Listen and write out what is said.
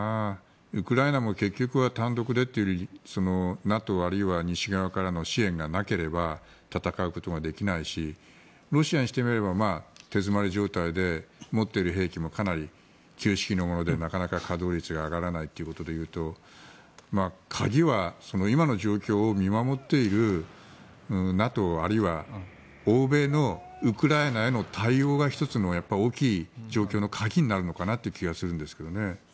ウクライナも結局は単独でというよりＮＡＴＯあるいは西側からの支援がなければ戦うことができないしロシアにしてみれば手詰まり状態で持っている兵器もかなり旧式のものでなかなか稼働率が上がらないということで言うと鍵は、今の状況を見守っているＮＡＴＯあるいは欧米のウクライナへの対応が１つの大きい状況の鍵になるのかなという気がするんですけどね。